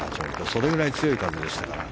それぐらい強い風でしたから。